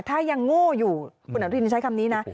ถ้ายังโง่อยู่คุณอนุทินใช้คำนี้นะ